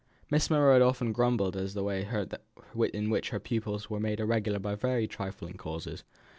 Miss Monro had often grumbled at the way in which her pupils were made irregular for very trifling causes.